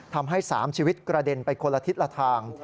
ทำให้๓ชีวิตกระเด็นไปคนละทิศละทาง